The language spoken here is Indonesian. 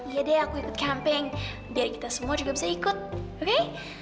ya deh aku ikut camping biar kita semua juga bisa ikut oke